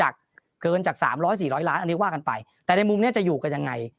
เกินจาก๓๐๐๔๐๐ล้านอันนี้ว่ากันไปแต่ในมุมเนี้ยจะอยู่กันยังไง